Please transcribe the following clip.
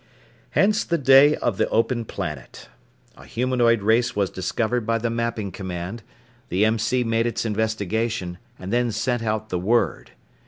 Hence the day of the Open Planet. A humanoid race was discovered by the Mapping Command, the M.C. made its investigation, and then sent out the Word.